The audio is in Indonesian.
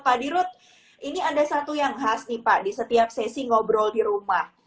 pak dirut ini ada satu yang khas nih pak di setiap sesi ngobrol di rumah